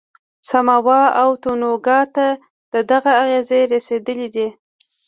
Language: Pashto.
ساموا او تونګا ته دغه اغېزې رسېدلې دي.